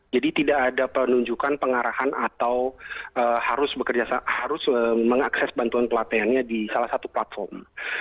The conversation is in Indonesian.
jadi tidak ada penunjukan pengarahan atau harus mengakses bantuan pelatihannya di salah satu platform